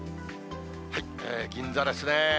銀座ですね。